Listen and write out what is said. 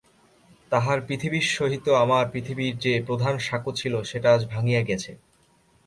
তাঁহার পৃথিবীর সহিত আমার পৃথিবীর যে প্রধান সাঁকো ছিল সেটা আজ ভাঙিয়া গেছে।